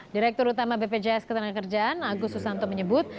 direktur utama bpjs ketenagakerjaan agus susanto menyebut